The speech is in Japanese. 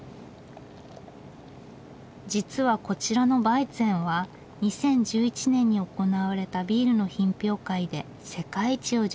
実はこちらのヴァイツェンは２０１１年に行われたビールの品評会で世界一を受賞。